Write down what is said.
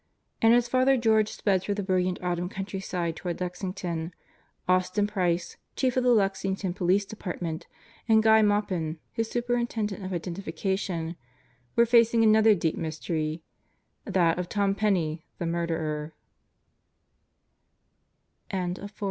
And as Father George sped through the brilliant autumn countryside toward Lexington, Austin Price, chief of the Lexington Police Department and Guy Maupin, his superin tendent of identification, were facing another deep mystery that of Tom Penney the murder